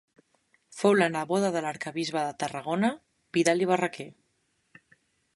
Fou la neboda de l'arquebisbe de Tarragona, Vidal i Barraquer.